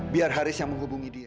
biar haris yang menghubungi dia